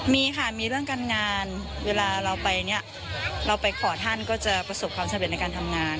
มีค่ะมีเรื่องการงานเวลาเราไปเนี่ยเราไปขอท่านก็จะประสบความสำเร็จในการทำงาน